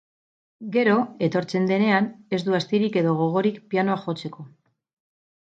Gero, etortzen denean, ez du astirik edo gogorik pianoa jotzeko.